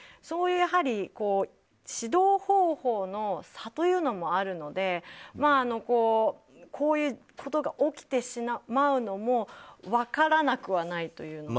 そういう指導方法の差もあるのでこういうことが起きてしまうのも分からなくはないという。